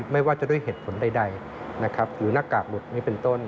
ไม่ว่าจะด้วยเหตุผลใดนะครับหรือหน้ากากหลุดนี้เป็นต้น